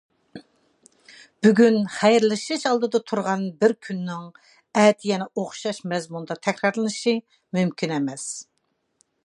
بۈگۈن خەيرلىشىش ئالدىدا تۇرغان بىر كۈننىڭ ئەتە يەنە ئوخشاش مەزمۇندا تەكرارلىنىشى مۇمكىن ئەمەس.